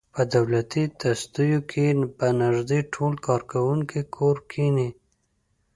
په دولتي تصدیو کې به نږدې ټول کارکوونکي کور کېني.